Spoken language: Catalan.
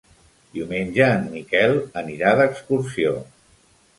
Diumenge en Miquel anirà d'excursió.